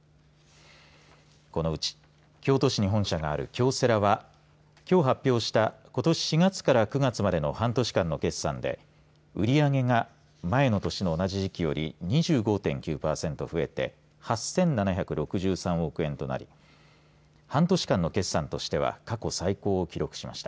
このうち京都市に本社がある京セラはきょう発表した、ことし４月から９月までの半年間の決算で売り上げが前の年の同じ時期より２５．９パーセント増えて８７６３億円となり半年間の決算としては過去最高を記録しました。